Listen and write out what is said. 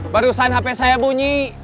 barusan hp saya bunyi